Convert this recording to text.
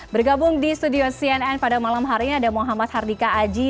bergabung di studio cnn pada malam hari ini ada muhammad hardika aji